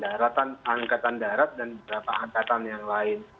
angkatan darat dan beberapa angkatan yang lain